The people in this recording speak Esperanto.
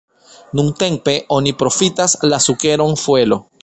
Nuntempe oni profitas la sukeron fuelo.